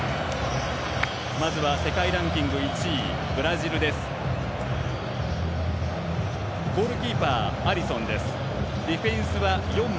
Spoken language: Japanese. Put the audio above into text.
まずは世界ランキング１位ブラジル。